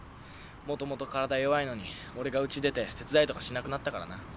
もともと体弱いのに俺がウチ出て手伝いとかしなくなったからな。